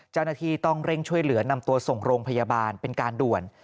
เจ้าหน้าที่ต้องเร่งช่วยเหลือนำตัวส่งโรงพยาบาลเป็นการด่วน